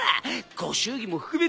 ご祝儀も含めて。